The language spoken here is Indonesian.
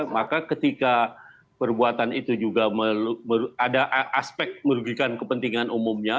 maka ketika perbuatan itu juga ada aspek merugikan kepentingan umumnya